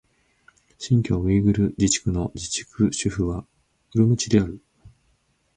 新疆ウイグル自治区の自治区首府はウルムチである